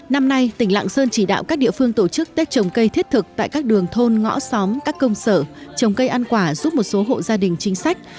năm nay tỉnh lạng sơn chỉ đạo các địa phương tổ chức tết trồng cây thiết thực tại các đường thôn ngõ xóm các công sở trồng cây ăn quả giúp một số hộ gia đình chính sách